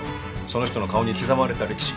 その人の顔に刻まれた歴史。